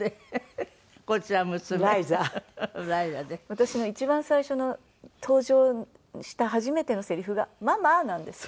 私の一番最初の登場した初めてのせりふが「ママ」なんです。